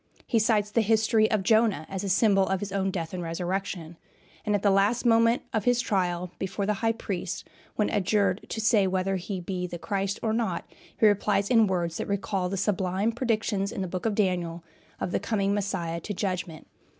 He cites the history of Jonah as a symbol of his own death and resurrection; and at the last moment of his trial before the High Priest, when adjured to say whether he be the Christ or not, he replies in words that recall the sublime predictions in the Book of Daniel of the coming of Messiah to judgment.